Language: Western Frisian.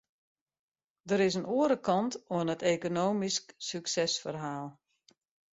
Der is in oare kant oan it ekonomysk suksesferhaal.